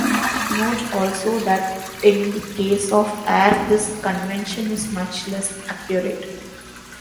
Note also, that in the case of air, this convention is much less accurate.